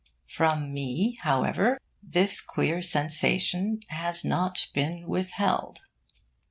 From me, however, this queer sensation has not been withheld.